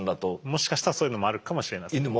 もしかしたらそういうのもあるかもしれないですね。